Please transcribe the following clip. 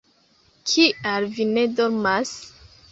Kial vi ne dormas?